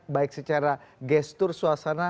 baik secara gestur suasana